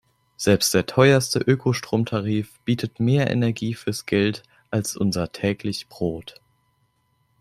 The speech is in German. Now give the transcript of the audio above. Selbst der teuerste Ökostromtarif bietet mehr Energie fürs Geld als unser täglich Brot.